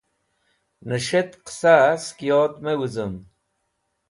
Nẽs̃het qẽsaẽ sẽk yod me wũzẽm.